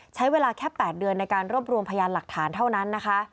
ใช้เวลาแค่๘เดือนในการรวบรวมพยานหลักฐานเท่านั้นนะคะ